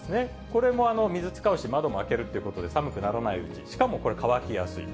これも水使うし、窓も開けるということで寒くならないうちに、しかもこれ、乾きやすい。